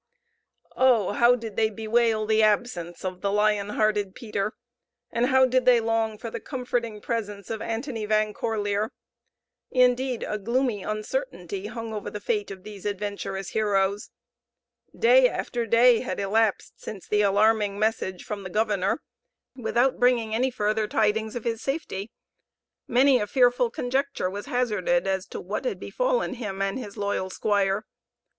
Oh, how did they bewail the absence of the lion hearted Peter! and how did they long for the comforting presence of Antony Van Corlear! Indeed a gloomy uncertainty hung over the fate of these adventurous heroes. Day after day had elapsed since the alarming message from the governor without bringing any further tidings of his safety. Many a fearful conjecture was hazarded as to what had befallen him and his loyal squire.